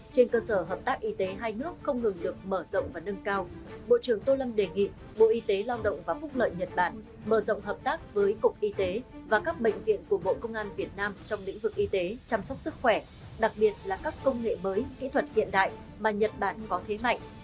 trên cơ sở hợp tác y tế hai nước không ngừng được mở rộng và nâng cao bộ trưởng tô lâm đề nghị bộ y tế lao động và phúc lợi nhật bản mở rộng hợp tác với cục y tế và các bệnh viện của bộ công an việt nam trong lĩnh vực y tế chăm sóc sức khỏe đặc biệt là các công nghệ mới kỹ thuật hiện đại mà nhật bản có thế mạnh